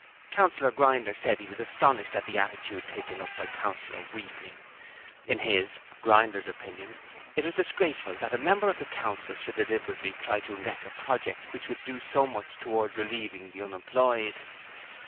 Councillor Grinder said he was astonished at the attitude taken up by Councillor Weakling. In his (Grinder's) opinion it was disgraceful that a member of the council should deliberately try to wreck a project which would do so much towards relieving the unemployed.